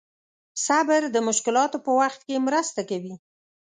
صبر د مشکلاتو په وخت کې مرسته کوي.